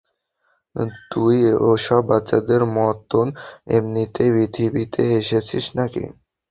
তুই ওসব বাচ্চাদের মতোন এমনিতেই পৃথিবীতে এসেছিস নাকি।